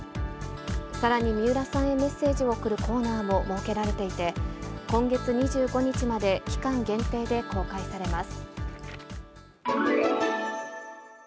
さらに、三浦さんへメッセージを送るコーナーも設けられていて、今月２５日まで期間限定で公開されます。